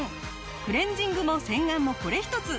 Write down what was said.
クレンジングも洗顔もこれ一つ。